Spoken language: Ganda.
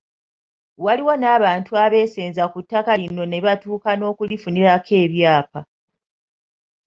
Waliwo n'abantu abeesenza ku ttaka lino nebatuuka n'okulifunako ebyapa.